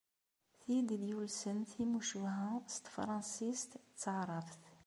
Tid i d-yulsen timucuha s Tefransist d Taɛrabt.